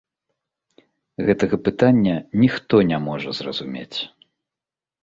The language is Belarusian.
Гэтага пытання ніхто не можа зразумець.